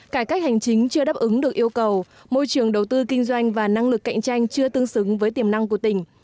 cải cách hành chính chưa đáp ứng được yêu cầu môi trường đầu tư kinh doanh và năng lực cạnh tranh chưa tương xứng với tiềm năng của tỉnh